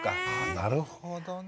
なるほどね。